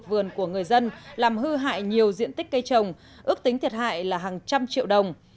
các vườn của người dân làm hư hại nhiều diện tích cây trồng ước tính thiệt hại là hàng trăm triệu đồng